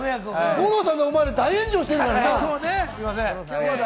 五郎さんとお前ら大炎上してるからね。